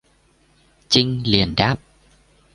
Trinh liền đáp